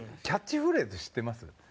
キャッチフレーズ知ってます？